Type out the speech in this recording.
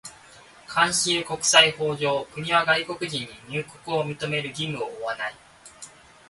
慣習国際法上、国は外国人に入国を認める義務を負わない。